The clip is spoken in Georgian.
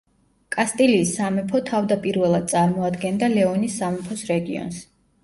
კასტილიის სამეფო თავდაპირველად წარმოადგენდა ლეონის სამეფოს რეგიონს.